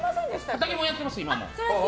畑もやってます、今も。